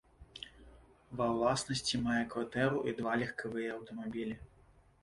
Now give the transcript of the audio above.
Ва ўласнасці мае кватэру і два легкавыя аўтамабілі.